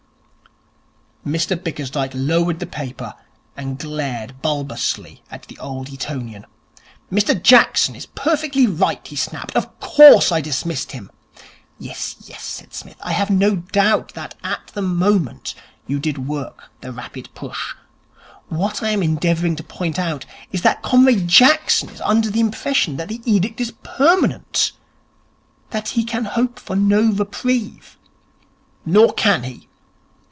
Mr Bickersdyke lowered the paper and glared bulbously at the old Etonian. 'Mr Jackson is perfectly right,' he snapped. 'Of course I dismissed him.' 'Yes, yes,' said Psmith, 'I have no doubt that at the moment you did work the rapid push. What I am endeavouring to point out is that Comrade Jackson is under the impression that the edict is permanent, that he can hope for no reprieve.' 'Nor can he.'